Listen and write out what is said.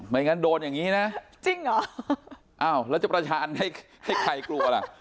งั้นโดนอย่างนี้นะจริงเหรออ้าวแล้วจะประชาอันให้ใครกลัวล่ะ